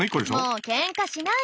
もうケンカしない。